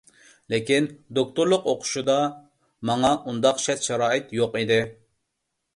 لېكىن، دوكتورلۇق ئوقۇشىدا ماڭا ئۇنداق شەرت-شارائىت يوق ئىدى.